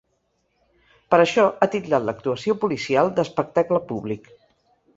Per això, ha titllat l’actuació policial d‘‘espectacle públic’.